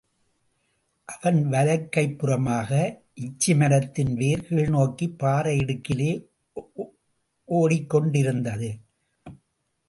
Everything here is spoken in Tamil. அவன் வலக் கைப்புறமாக இச்சி மரத்தின் வேர் கீழ்நோக்கிப் பாறை இடுக்கிலே ஓடிக்கொண்டிருந்தது.